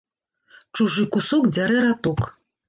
Чужы кусок дзярэ раток